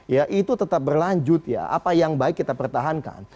ya itu tetap berlanjut ya apa yang baik kita pertahankan